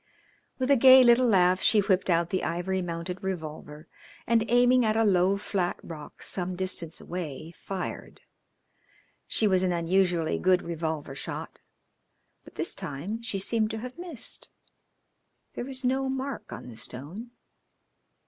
With a gay little laugh she whipped out the ivory mounted revolver, and aiming at a low flat rock, some distance away, fired. She was an unusually good revolver shot, but this time she seemed to have missed. There was no mark on the stone.